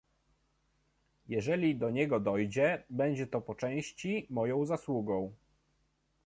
Jeżeli do niego dojdzie, będzie to po części moją zasługą